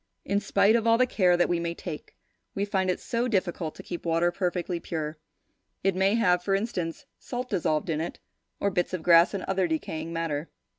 In spite of all the care that we may take, we find it so difficult to keep water perfectly pure. It may have, for instance, salt dissolved in it, or bits of grass and other decaying matter.